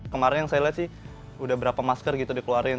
kemarin saya lihat sih udah berapa masker gitu dikeluarin